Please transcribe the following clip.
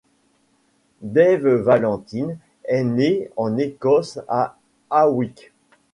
Dave Valentine est né en Écosse à Hawick.